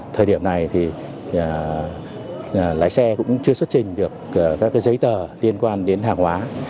thời điểm này thì lái xe cũng chưa xuất trình được các giấy tờ liên quan đến hàng hóa